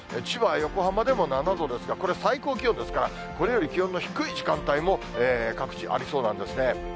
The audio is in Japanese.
千葉、横浜でも７度ですが、これ、最高気温ですから、これより気温の低い時間帯も各地、ありそうなんですね。